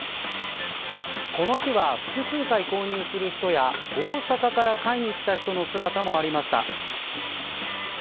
この日は複数回購入する人や大阪から買いに来た人の姿もありました。